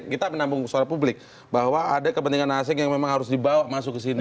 kita menampung suara publik bahwa ada kepentingan asing yang memang harus dibawa masuk ke sini